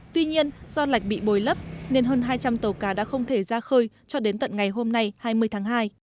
tuy nhiên do lạc bị bồi lấp nên hơn hai trăm linh tàu cá đã không thể ra khơi cho đến tận ngày hôm nay hai mươi tháng hai